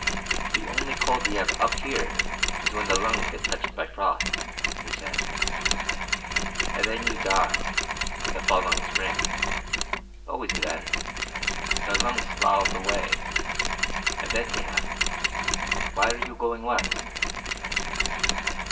"The only cold we have up here is when the lungs get touched by frost," he said, "and then you die the following spring. Always then. The lungs slough away." And then he asked: "Why are you going west?"